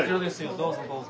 どうぞどうぞ。